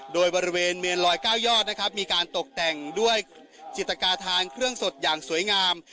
โดยบริเวณเมนลอย๙ยอดนะครับมีการตกแต่งด้วยจิตกาธานเครื่องสดอย่างสวยงาม